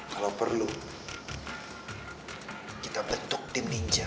kalau perlu kita bentuk tim ninja